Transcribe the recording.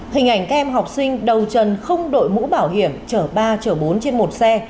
hình ảnh kem học sinh đầu trần không đội mũ bảo hiểm chở ba chở bốn trên một xe